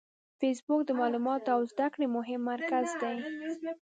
فېسبوک د معلوماتو او زده کړې مهم مرکز دی